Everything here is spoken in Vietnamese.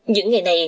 những ngày này